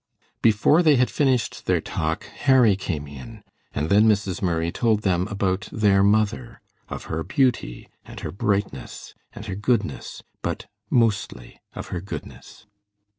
Before they had finished their talk Harry came in, and then Mrs. Murray told them about their mother, of her beauty and her brightness and her goodness, but mostly of her goodness.